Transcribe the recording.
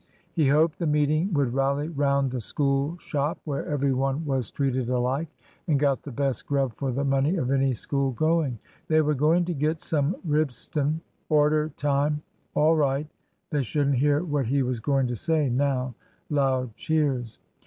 He hoped the meeting would rally round the School shop, where every one was treated alike, and got the best grub for the money of any school going. They were going to get some Ribston (Order. Time.) All right. They shouldn't hear what he was going to say now. (Loud cheers.)